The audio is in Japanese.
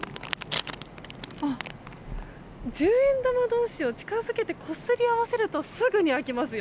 十円玉同士を近づけてこすり合わせるとすぐに開きますよ。